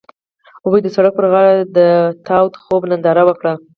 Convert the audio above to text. هغوی د سړک پر غاړه د تاوده خوب ننداره وکړه.